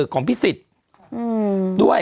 ของพิสิทธิ์ด้วย